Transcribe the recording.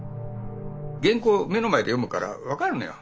原稿を目の前で読むから分かるのよ。